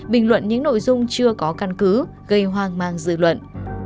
bình luận những nội dung chưa có căn cứ gây hoang mang dư luận